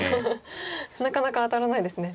なかなか当たらないですね。